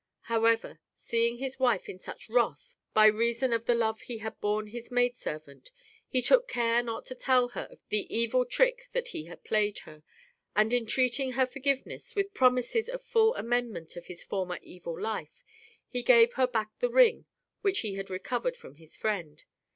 However, seeing his wife in such wrath by 8 THE HEPTAMERON. reason of the love he had borne his maid servant, he took care not to tell her of the evil trick that he had played her ; and entreating her forgive ness, with promises of full amendment of his former evil life, he gave her back the ring which he had recovered from his friend.